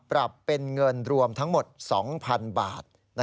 ปรับเป็นเงินรวมทั้งหมด๒๐๐๐บาท